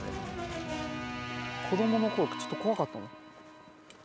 子供の頃ちょっと怖かったもん。